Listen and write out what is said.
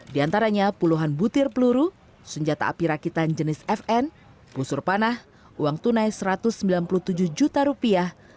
di antaranya puluhan butir peluru senjata api rakitan jenis fn pusur panah uang tunai satu ratus sembilan puluh tujuh juta rupiah